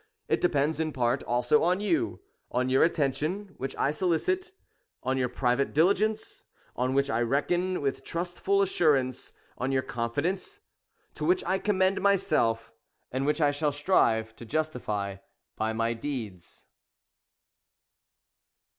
It depends in part also on you; — on your attention, which I solicit ; on your private diligence, on which I reckon with trustful assurance ; on your confidence^ to which I commend myself, and which I shall strive to justify by my deeds.